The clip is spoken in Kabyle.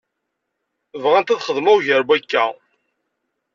Bɣant ad xedmeɣ ugar n wakka.